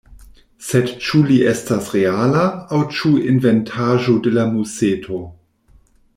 Sed ĉu li estas reala, aŭ ĉu inventaĵo de la museto?